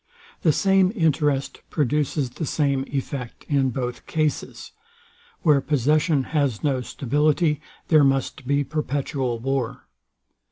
The same interest produces the same effect in both cases. Where possession has no stability, there must be perpetual war.